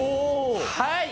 ・はい。